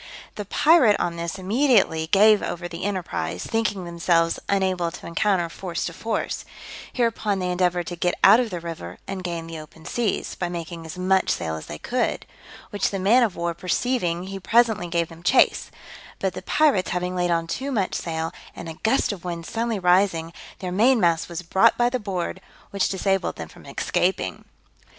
The pirate on this immediately gave over the enterprise, thinking themselves unable to encounter force to force: hereupon they endeavoured to get out of the river and gain the open seas, by making as much sail as they could; which the man of war perceiving, he presently gave them chase, but the pirates having laid on too much sail, and a gust of wind suddenly rising, their main mast was brought by the board, which disabled them from escaping.